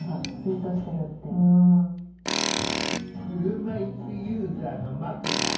車いすユーザーのまこさん。